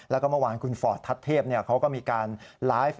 แล้วก็เมื่อวานคุณฟอร์ตทัศเทพเขาก็มีการไลฟ์